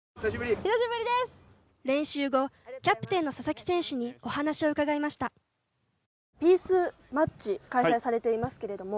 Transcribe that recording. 練習後キャプテンの佐々木選手にお話を伺いましたピースマッチ開催されていますけれども